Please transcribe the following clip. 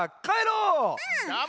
うん！